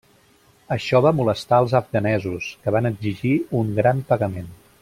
Això va molestar als afganesos que van exigir un gran pagament.